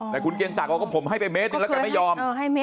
แต่คุณเกียงศักดิ์ผมให้ไปเมตรหนึ่งแล้วกันไม่ยอม